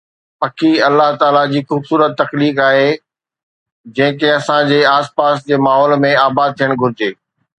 پکي الله تعاليٰ جي خوبصورت تخليق آهي، جنهن کي اسان جي آس پاس جي ماحول ۾ آباد ٿيڻ گهرجي